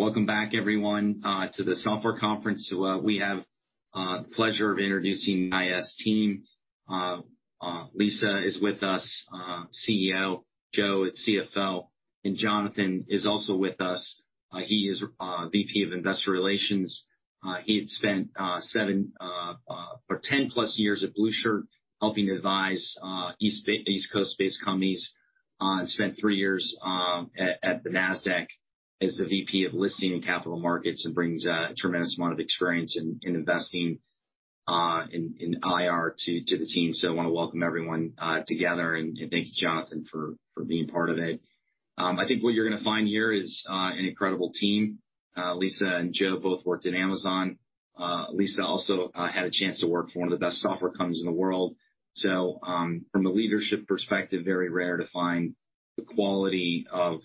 Welcome back everyone, to the Software Conference. We have the pleasure of introducing IAS team. Lisa is with us, CEO, Joe is CFO, and Jonathan is also with us. He is VP of Investor Relations. He had spent seven or 10+ years at Blue Shirt helping to advise East Coast-based companies, spent three years at the Nasdaq as the VP of Listing and Capital Markets, and brings a tremendous amount of experience in investing in IR to the team. I want to welcome everyone together, and thank you, Jonathan, for being part of it. I think what you're going to find here is an incredible team. Lisa and Joe both worked at Amazon. Lisa also had a chance to work for one of the best software companies in the world. From a leadership perspective, very rare to find the quality of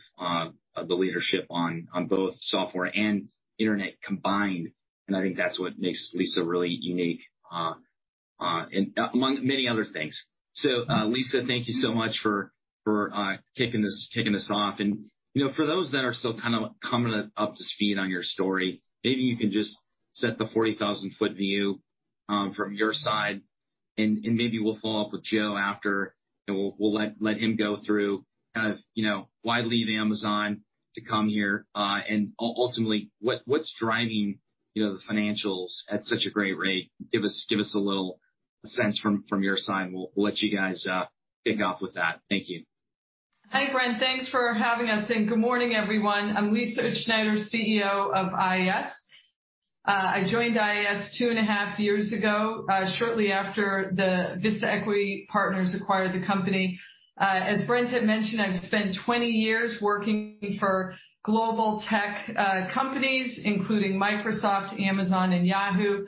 the leadership on both software and internet combined, and I think that's what makes Lisa really unique, among many other things. Lisa, thank you so much for kicking this off. For those that are still kind of coming up to speed on your story, maybe you can just set the 40,000-foot view from your side, and maybe we'll follow up with Joe after, and we'll let him go through why leave Amazon to come here, and ultimately, what's driving the financials at such a great rate. Give us a little sense from your side. We'll let you guys kick off with that. Thank you. Hi, Brent. Thanks for having us, good morning, everyone. I'm Lisa Utzschneider, CEO of IAS. I joined IAS two and a half years ago, shortly after the Vista Equity Partners acquired the company. As Brent had mentioned, I've spent 20 years working for global tech companies, including Microsoft, Amazon, and Yahoo,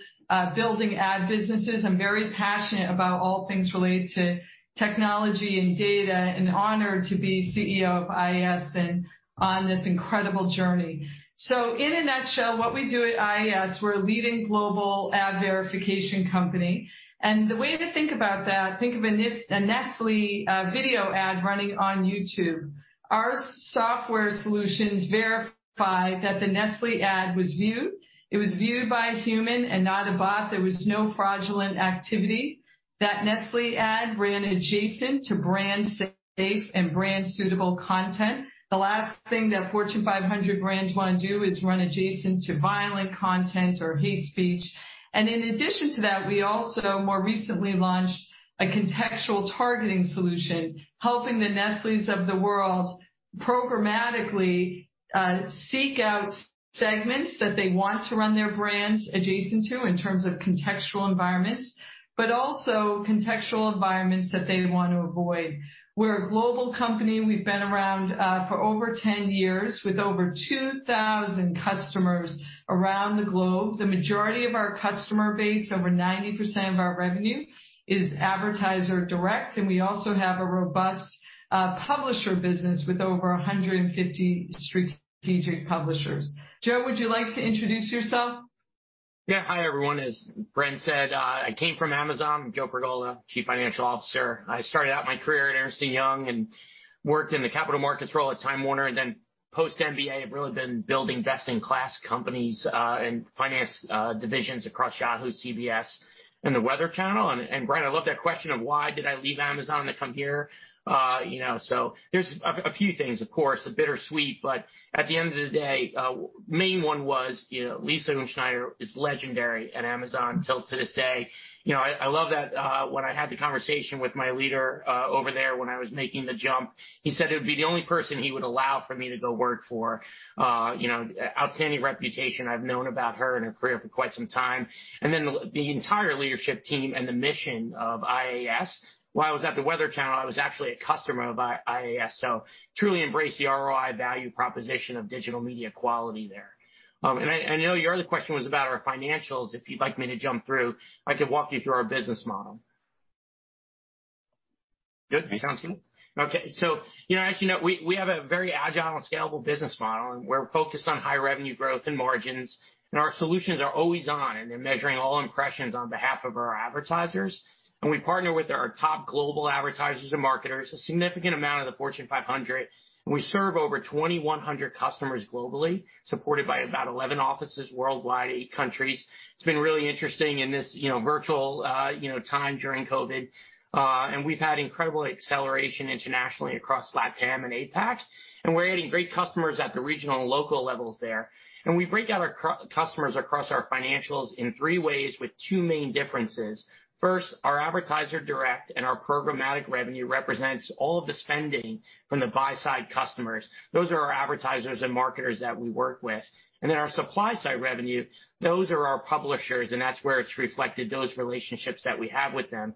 building ad businesses. I'm very passionate about all things related to technology and data and honored to be CEO of IAS and on this incredible journey. In a nutshell, what we do at IAS, we're a leading global ad verification company. The way to think about that, think of a Nestlé video ad running on YouTube. Our software solutions verify that the Nestlé ad was viewed. It was viewed by a human and not a bot. There was no fraudulent activity. That Nestlé ad ran adjacent to brand-safe and brand-suitable content. The last thing that Fortune 500 brands want to do is run adjacent to violent content or hate speech. In addition to that, we also more recently launched a contextual targeting solution, helping the Nestlé's of the world programmatically seek out segments that they want to run their brands adjacent to in terms of contextual environments, but also contextual environments that they want to avoid. We're a global company. We've been around for over 10 years with over 2,000 customers around the globe. The majority of our customer base, over 90% of our revenue, is advertiser direct. We also have a robust publisher business with over 150 strategic publishers. Joe, would you like to introduce yourself? Hi, everyone. As Brent said, I came from Amazon. Joe Pergola, Chief Financial Officer. I started out my career at Ernst & Young and worked in the capital markets role at Time Warner, then post-MBA, have really been building best-in-class companies, and finance divisions across Yahoo, CBS, and The Weather Channel. Brent, I love that question of why did I leave Amazon to come here. There's a few things, of course. A bittersweet, but at the end of the day, main one was Lisa Utzschneider is legendary at Amazon till to this day. I love that when I had the conversation with my leader over there when I was making the jump, he said it would be the only person he would allow for me to go work for. Outstanding reputation. I've known about her and her career for quite some time. The entire leadership team and the mission of IAS. While I was at The Weather Channel, I was actually a customer of IAS, so truly embrace the ROI value proposition of digital media quality there. I know your other question was about our financials. If you'd like me to jump through, I could walk you through our business model. Good. Sounds good. As you know, we have a very agile and scalable business model, and we're focused on high revenue growth and margins, and our solutions are always on, and they're measuring all impressions on behalf of our advertisers. We partner with our top global advertisers and marketers, a significant amount of the Fortune 500, and we serve over 2,100 customers globally, supported by about 11 offices worldwide, eight countries. It's been really interesting in this virtual time during COVID. We've had incredible acceleration internationally across LATAM and APAC, and we're adding great customers at the regional and local levels there. We break out our customers across our financials in three ways with two main differences. First, our advertiser direct and our programmatic revenue represents all of the spending from the buy-side customers. Those are our advertisers and marketers that we work with. Then our supply-side revenue, those are our publishers, and that's where it's reflected, those relationships that we have with them.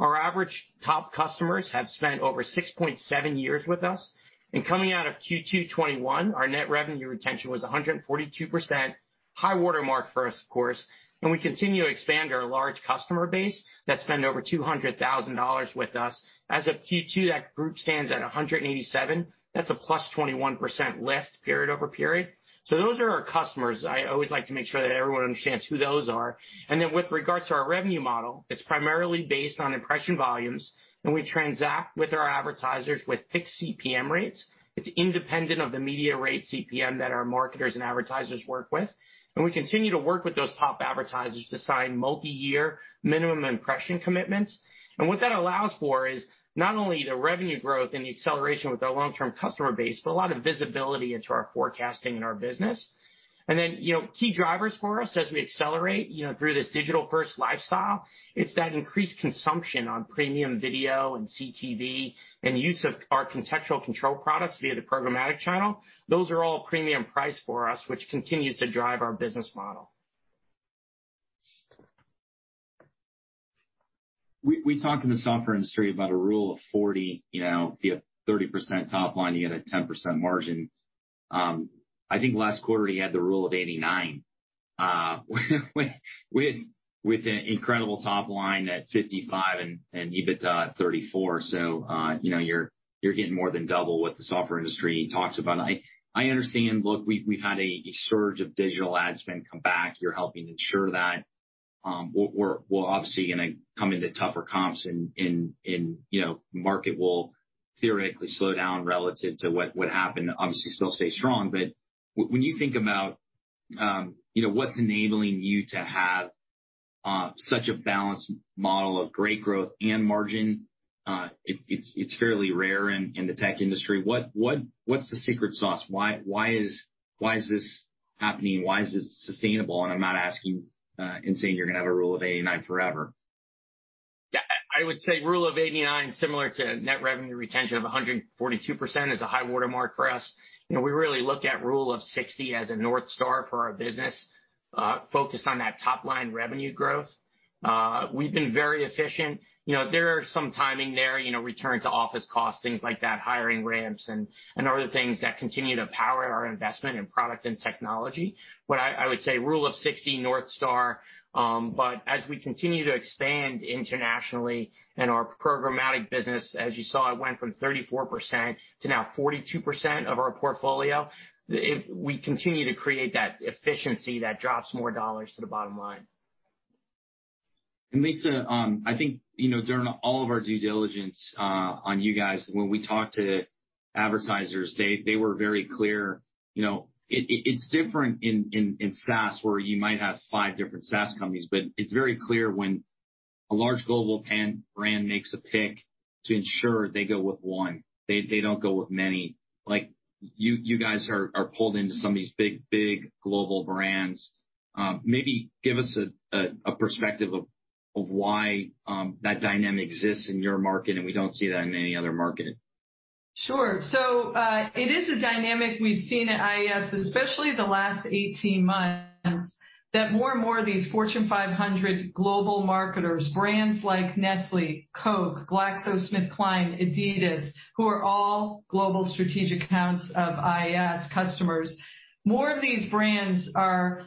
Our average top customers have spent over 6.7 years with us. Coming out of Q2 2021, our net revenue retention was 142%. High watermark for us, of course, and we continue to expand our large customer base that spend over $200,000 with us. As of Q2, that group stands at 187. That's a +21% lift period-over-period. Those are our customers. I always like to make sure that everyone understands who those are. With regards to our revenue model, it's primarily based on impression volumes, and we transact with our advertisers with fixed CPM rates. It's independent of the media rate CPM that our marketers and advertisers work with. We continue to work with those top advertisers to sign multi-year minimum impression commitments. What that allows for is not only the revenue growth and the acceleration with our long-term customer base, but a lot of visibility into our forecasting and our business. Key drivers for us as we accelerate through this digital-first lifestyle, it's that increased consumption on premium video and CTV and use of our Context Control products via the programmatic channel. Those are all premium price for us, which continues to drive our business model. We talk in the software industry about a Rule of 40. If you have 30% top line, you get a 10% margin. I think last quarter you had the Rule of 89 with an incredible top line at 55% and EBITDA at 34%. You're getting more than double what the software industry talks about. I understand, look, we've had a surge of digital ad spend come back. You're helping ensure that. We're obviously going to come into tougher comps and market will theoretically slow down relative to what happened, obviously still stay strong. When you think about what's enabling you to have such a balanced model of great growth and margin, it's fairly rare in the tech industry. What's the secret sauce? Why is this happening? Why is this sustainable? I'm not asking, and saying you're going to have a Rule of 89 forever. Yeah. I would say rule of 89, similar to net revenue retention of 142%, is a high watermark for us. We really look at rule of 60 as a North Star for our business, focused on that top-line revenue growth. We've been very efficient. There are some timing there, return to office costs, things like that, hiring ramps and other things that continue to power our investment in product and technology. I would say rule of 60 North Star. As we continue to expand internationally in our programmatic business, as you saw, it went from 34% to now 42% of our portfolio. We continue to create that efficiency that drops more dollars to the bottom line. Lisa, I think during all of our due diligence on you guys, when we talked to advertisers, they were very clear. It's different in SaaS, where you might have five different SaaS companies, but it's very clear when a large global brand makes a pick to ensure they go with one. They don't go with many. You guys are pulled into some of these big global brands. Maybe give us a perspective of why that dynamic exists in your market and we don't see that in any other market. Sure. It is a dynamic we've seen at IAS, especially the last 18 months, that more and more of these Fortune 500 global marketers, brands like Nestlé, Coke, GlaxoSmithKline, Adidas, who are all global strategic accounts of IAS customers. More of these brands are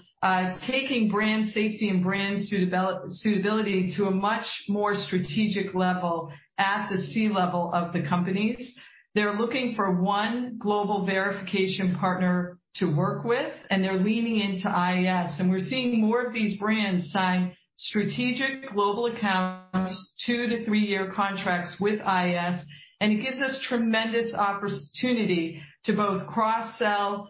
taking brand safety and brand suitability to a much more strategic level at the C-level of the companies. They're looking for one global verification partner to work with, and they're leaning into IAS. We're seeing more of these brands sign strategic global accounts, two-to-three-year contracts with IAS, and it gives us tremendous opportunity to both cross-sell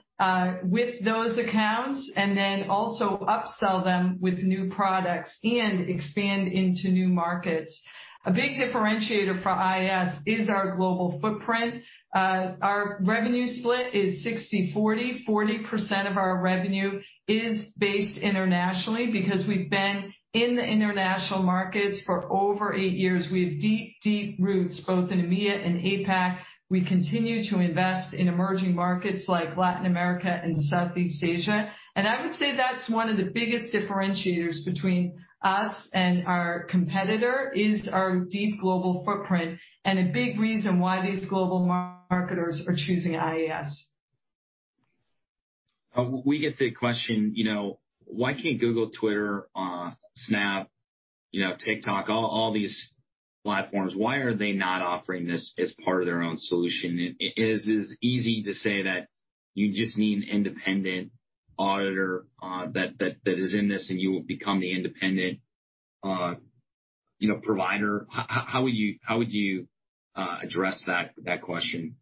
with those accounts and then also upsell them with new products and expand into new markets. A big differentiator for IAS is our global footprint. Our revenue split is 60/40. 40% of our revenue is based internationally because we've been in the international markets for over 8 years. We have deep roots, both in EMEA and APAC. We continue to invest in emerging markets like Latin America and Southeast Asia. I would say that's one of the biggest differentiators between us and our competitor is our deep global footprint and a big reason why these global marketers are choosing IAS. We get the question, why can't Google, Twitter, Snap, TikTok, all these platforms, why are they not offering this as part of their own solution? It is easy to say that you just need an independent auditor that is in this, and you will become the independent provider. How would you address that question?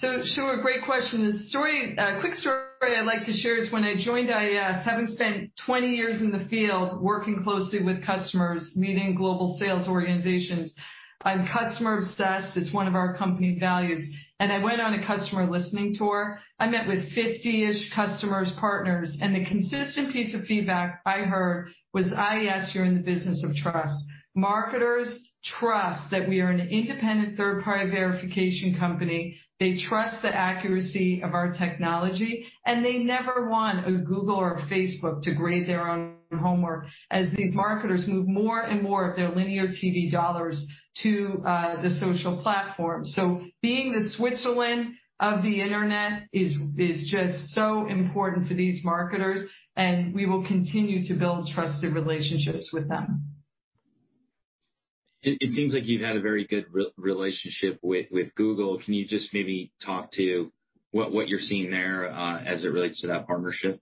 Sure. Great question. A quick story I'd like to share is when I joined IAS, having spent 20 years in the field, working closely with customers, meeting global sales organizations. I'm customer obsessed. It's one of our company values. I went on a customer listening tour. I met with 50-ish customers, partners, and the consistent piece of feedback I heard was, "IAS, you're in the business of trust." Marketers trust that we are an independent third-party verification company. They trust the accuracy of our technology, and they never want a Google or a Facebook to grade their own homework as these marketers move more and more of their linear TV dollars to the social platform. Being the Switzerland of the Internet is just so important for these marketers, and we will continue to build trusted relationships with them. It seems like you've had a very good relationship with Google. Can you just maybe talk to what you're seeing there as it relates to that partnership?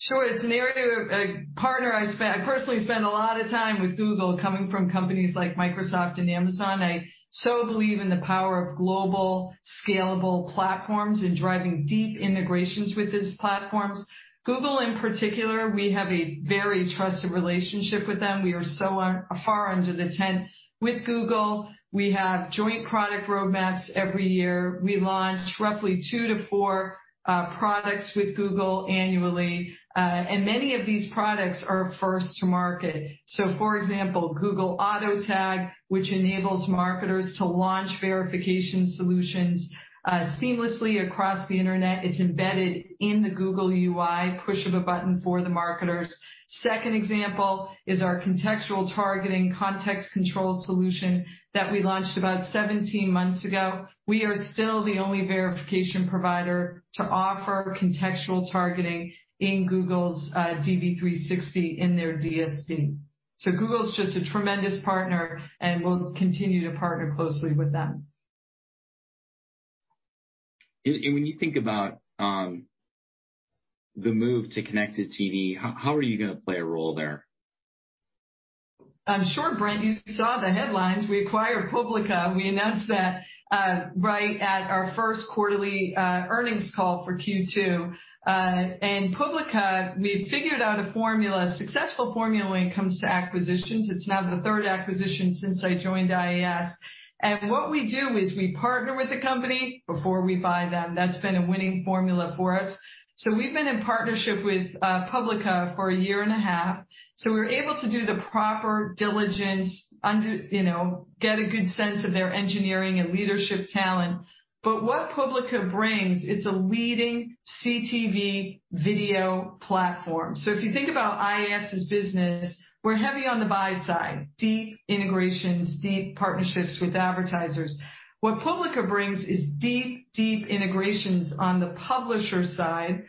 Sure. It's an area, a partner I personally spend a lot of time with Google, coming from companies like Microsoft and Amazon. I so believe in the power of global scalable platforms and driving deep integrations with those platforms. Google, in particular, we have a very trusted relationship with them. We are so far under the tent with Google. We have joint product roadmaps every year. We launch roughly two to four products with Google annually. Many of these products are first to market. For example, Google Auto Tag, which enables marketers to launch verification solutions seamlessly across the internet. It's embedded in the Google UI, push of a button for the marketers. Second example is our contextual targeting Context Control solution that we launched about 17 months ago. We are still the only verification provider to offer contextual targeting in Google's DV360 in their DSP. Google's just a tremendous partner, and we'll continue to partner closely with them. When you think about the move to connected TV, how are you going to play a role there? Sure, Brent. You saw the headlines. We acquired Publica. We announced that right at our first quarterly earnings call for Q2. Publica, we've figured out a formula, successful formula when it comes to acquisitions. It's now the third acquisition since I joined IAS. What we do is we partner with the company before we buy them. That's been a winning formula for us. We've been in partnership with Publica for a year and a half, so we're able to do the proper diligence under, get a good sense of their engineering and leadership talent. What Publica brings, it's a leading CTV video platform. If you think about IAS as business, we're heavy on the buy side, deep integrations, deep partnerships with advertisers. What Publica brings is deep integrations on the publisher side,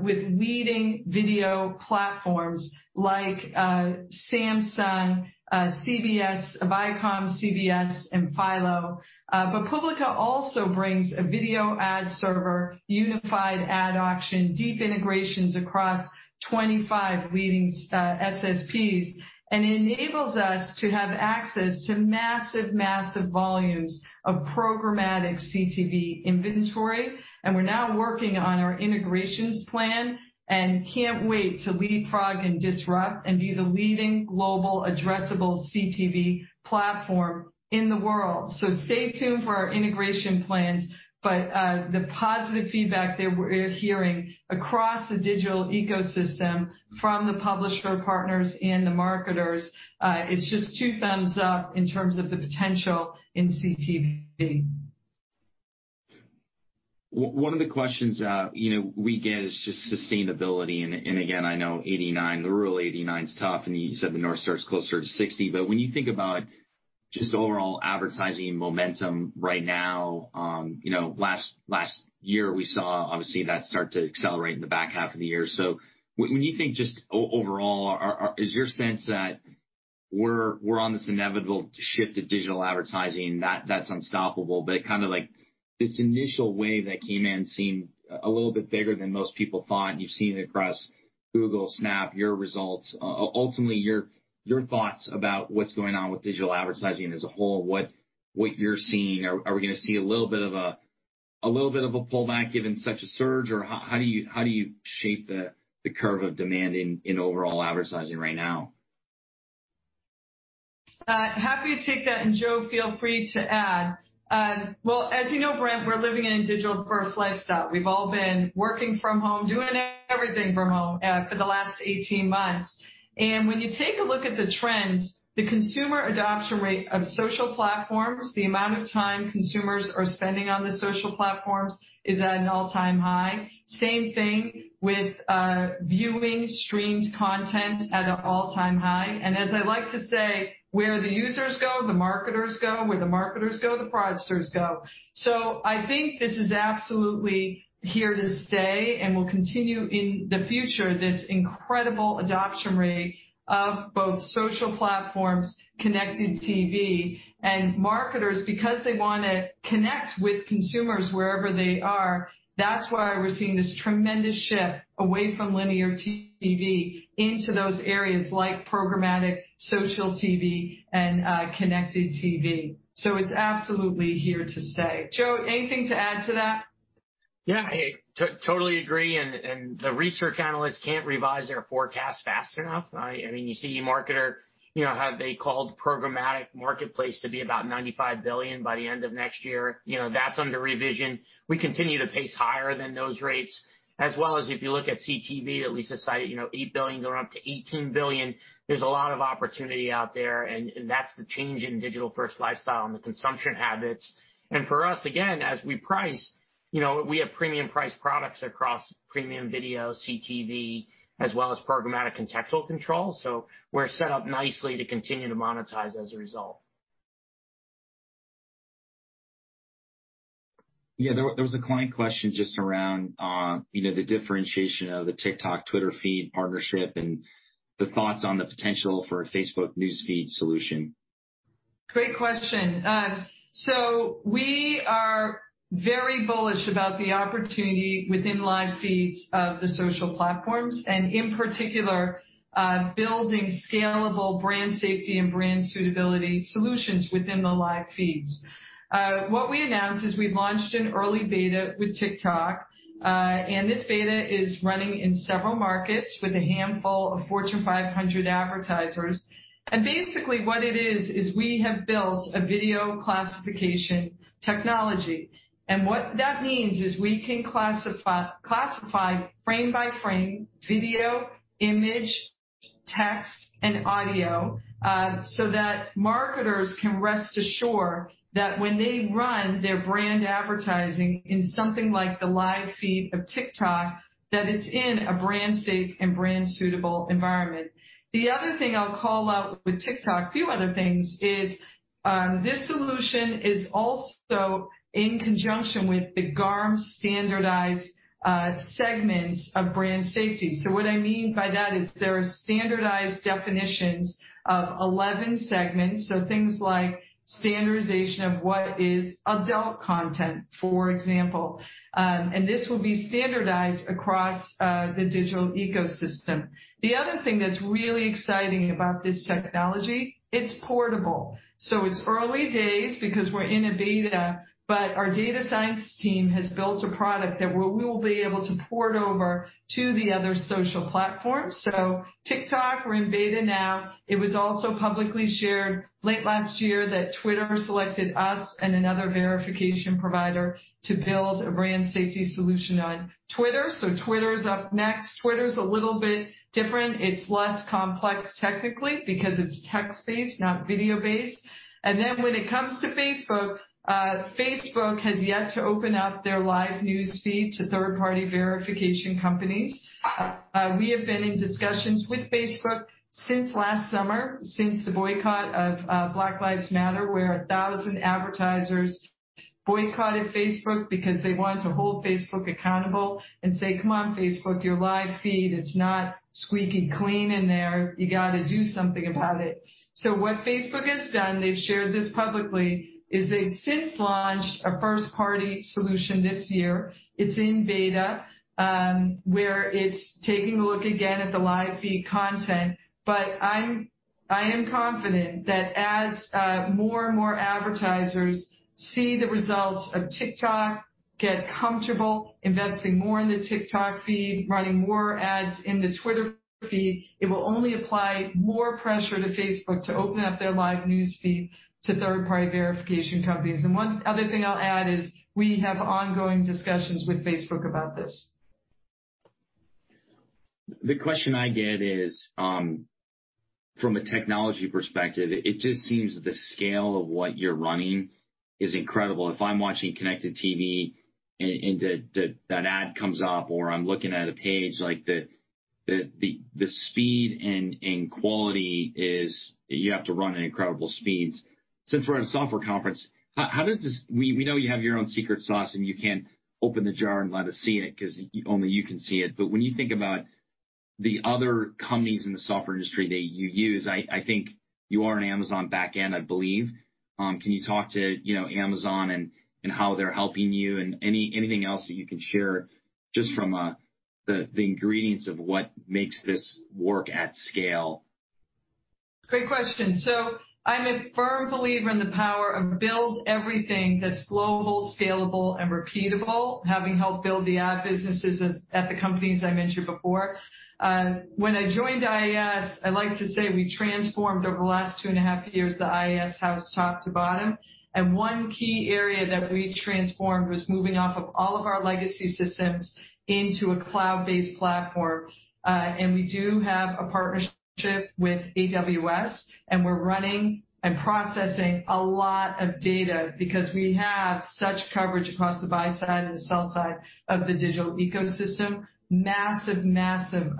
with leading video platforms like Samsung, CBS, ViacomCBS, and Philo. Publica also brings a video ad server, unified ad auction, deep integrations across 25 leading SSPs, and enables us to have access to massive volumes of programmatic CTV inventory. We're now working on our integrations plan and can't wait to leapfrog and disrupt and be the leading global addressable CTV platform in the world. Stay tuned for our integration plans. The positive feedback that we're hearing across the digital ecosystem from the publisher partners and the marketers, it's just two thumbs up in terms of the potential in CTV. One of the questions we get is just sustainability. Again, I know 89, the Rule of 89's tough, and you said the North Star is closer to 60. When you think about just overall advertising momentum right now, last year we saw, obviously, that start to accelerate in the back half of the year. When you think just overall, is your sense that we're on this inevitable shift to digital advertising that's unstoppable? Kind of like this initial wave that came in seemed a little bit bigger than most people thought. You've seen it across Google, Snap, your results. Ultimately, your thoughts about what's going on with digital advertising as a whole, what you're seeing, are we going to see a little bit of a pullback given such a surge, or how do you shape the curve of demand in overall advertising right now? Happy to take that, and Joe, feel free to add. Well, as you know, Brent, we're living in a digital-first lifestyle. We've all been working from home, doing everything from home for the last 18 months. When you take a look at the trends, the consumer adoption rate of social platforms, the amount of time consumers are spending on the social platforms is at an all-time high. Same thing with viewing streamed content at an all-time high. As I like to say, where the users go, the marketers go. Where the marketers go, the fraudsters go. I think this is absolutely here to stay and will continue in the future, this incredible adoption rate of both social platforms, connected TV, and marketers because they want to connect with consumers wherever they are. That's why we're seeing this tremendous shift away from linear TV into those areas like programmatic social TV and connected TV. It's absolutely here to stay. Joe, anything to add to that? Yeah, I totally agree. The research analysts can't revise their forecast fast enough. You see eMarketer how they called programmatic marketplace to be about $95 billion by the end of next year. That's under revision. We continue to pace higher than those rates as well as if you look at CTV, that Lisa cited, $8 billion go up to $18 billion. There's a lot of opportunity out there, and that's the change in digital-first lifestyle and the consumption habits. For us, again, as we price, we have premium priced products across premium video, CTV, as well as programmatic contextual controls. We're set up nicely to continue to monetize as a result. There was a client question just around the differentiation of the TikTok Twitter feed partnership and the thoughts on the potential for a Facebook news feed solution. Great question. We are very bullish about the opportunity within live feeds of the social platforms, and in particular, building scalable brand safety and brand suitability solutions within the live feeds. What we announced is we've launched an early beta with TikTok, and this beta is running in several markets with a handful of Fortune 500 advertisers. Basically what it is we have built a video classification technology. What that means is we can classify frame by frame, video, image, text, and audio, so that marketers can rest assure that when they run their brand advertising in something like the live feed of TikTok, that it's in a brand safe and brand suitable environment. The other thing I'll call out with TikTok, few other things, is this solution is also in conjunction with the GARM standardized segments of brand safety. What I mean by that is there are standardized definitions of 11 segments. Things like standardization of what is adult content, for example. This will be standardized across the digital ecosystem. The other thing that's really exciting about this technology, it's portable. It's early days because we're in a beta, but our data science team has built a product that we will be able to port over to the other social platforms. TikTok, we're in beta now. It was also publicly shared late last year that Twitter selected us and another verification provider to build a brand safety solution on Twitter. Twitter's up next. Twitter's a little bit different. It's less complex technically because it's text-based, not video-based. When it comes to Facebook has yet to open up their live news feed to third-party verification companies. We have been in discussions with Facebook since last summer, since the boycott of Black Lives Matter, where 1,000 advertisers boycotted Facebook because they wanted to hold Facebook accountable and say, "Come on, Facebook, your live feed, it's not squeaky clean in there. You got to do something about it." What Facebook has done, they've shared this publicly, is they've since launched a first-party solution this year. It's in beta, where it's taking a look again at the live feed content. I am confident that as more and more advertisers see the results of TikTok, get comfortable investing more in the TikTok feed, running more ads in the Twitter feed, it will only apply more pressure to Facebook to open up their live news feed to third-party verification companies. One other thing I'll add is we have ongoing discussions with Facebook about this. The question I get is, from a technology perspective, it just seems the scale of what you're running is incredible. If I'm watching connected TV and that ad comes up or I'm looking at a page like the speed and quality is you have to run at incredible speeds. Since we're at a software conference, we know you have your own secret sauce, and you can't open the jar and let us see it because only you can see it. When you think about the other companies in the software industry that you use, I think you are an Amazon backend, I believe. Can you talk to Amazon and how they're helping you and anything else that you can share just from the ingredients of what makes this work at scale? Great question. I'm a firm believer in the power of build everything that's global, scalable, and repeatable, having helped build the ad businesses at the companies I mentioned before. When I joined IAS, I like to say we transformed over the last two and a half years, the IAS house top to bottom. One key area that we transformed was moving off of all of our legacy systems into a cloud-based platform. We do have a partnership with AWS, and we're running and processing a lot of data because we have such coverage across the buy-side and the sell-side of the digital ecosystem, massive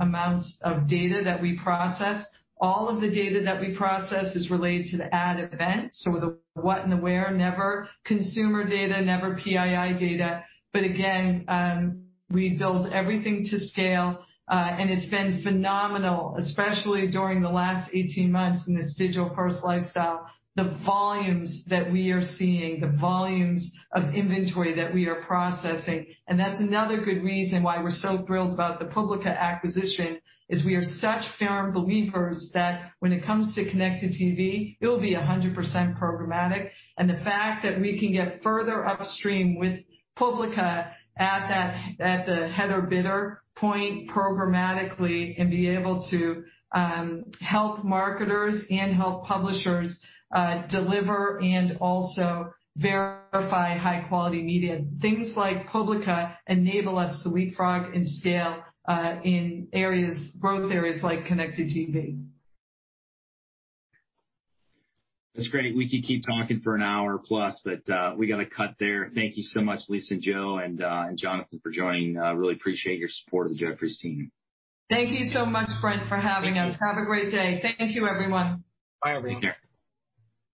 amounts of data that we process. All of the data that we process is related to the ad event. The what and the where, never consumer data, never PII data. Again, we build everything to scale. It's been phenomenal, especially during the last 18 months in this digital first lifestyle, the volumes that we are seeing, the volumes of inventory that we are processing. That's another good reason why we're so thrilled about the Publica acquisition, is we are such firm believers that when it comes to connected TV, it will be 100% programmatic. The fact that we can get further upstream with Publica at the header bidder point programmatically and be able to help marketers and help publishers deliver and also verify high-quality media. Things like Publica enable us to leapfrog and scale in growth areas like connected TV. That's great. We could keep talking for an hour plus, but we got to cut there. Thank you so much, Lisa, and Joe, and Jonathan for joining. I really appreciate your support of the Jefferies team. Thank you so much, Brent, for having us. Thank you. Have a great day. Thank you, everyone. Bye, everyone.